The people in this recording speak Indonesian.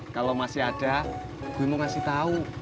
kalo masih ada gue mau ngasih tau